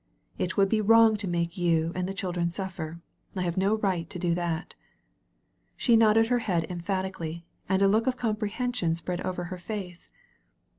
It would be wrong to make you and the children suffer. I have no ri^t to do that." She nodded her head emphatically, and a look of comprehension spread over her face.